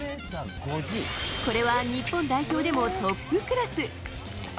これは日本代表でもトップクラス。